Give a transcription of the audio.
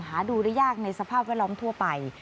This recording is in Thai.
หาดูได้ยากในสภาพแวดล้อมทั่วไป